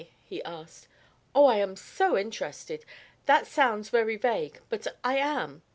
he asked. "Oh, I am so interested. That sounds very vague, but I am.